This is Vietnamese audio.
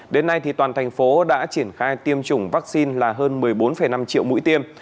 đến nay toàn thành phố đã triển khai tiêm chủng vaccine là hơn một mươi bốn năm triệu mũi tiêm